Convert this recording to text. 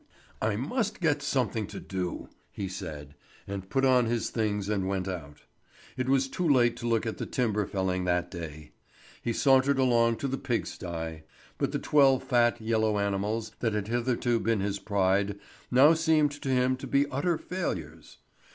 "I must get something to do," he said, and put on his things and went out. It was too late to look at the timber felling that day. He sauntered along to the pig stye: but the twelve fat, yellow animals that had hitherto been his pride now seemed to him to be utter failures.